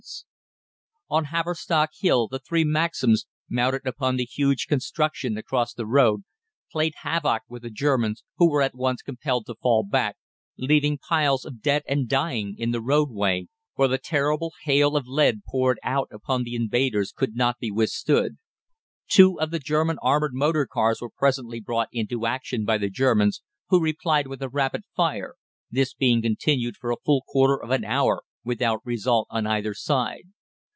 20^{th} & 21^{st}] On Haverstock Hill, the three Maxims, mounted upon the huge construction across the road, played havoc with the Germans, who were at once compelled to fall back, leaving piles of dead and dying in the roadway, for the terrible hail of lead poured out upon the invaders could not be withstood. Two of the German armoured motor cars were presently brought into action by the Germans, who replied with a rapid fire, this being continued for a full quarter of an hour without result on either side.